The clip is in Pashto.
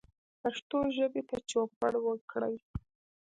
پښتو ژبې ته چوپړ وکړئ